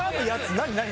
何何？